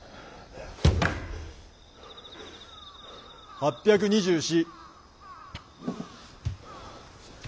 ８２４。